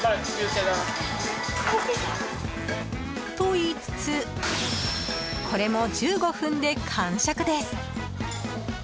と言いつつこれも１５分で完食です。